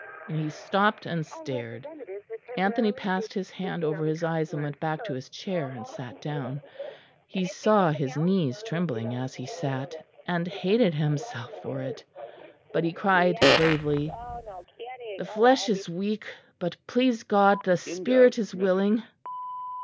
and he stopped and stared. Anthony passed his hand over his eyes and went back to his chair and sat down; he saw his knees trembling as he sat, and hated himself for it; but he cried bravely: "The flesh is weak, but, please God, the spirit is willing."